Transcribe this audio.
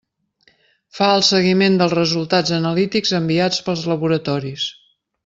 Fa el seguiment dels resultats analítics enviats pels laboratoris.